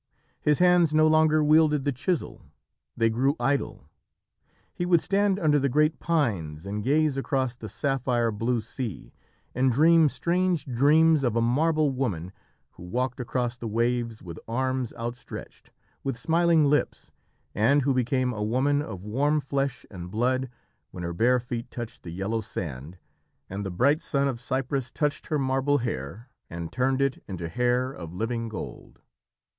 His hands no longer wielded the chisel. They grew idle. He would stand under the great pines and gaze across the sapphire blue sea, and dream strange dreams of a marble woman who walked across the waves with arms outstretched, with smiling lips, and who became a woman of warm flesh and blood when her bare feet touched the yellow sand, and the bright sun of Cyprus touched her marble hair and turned it into hair of living gold.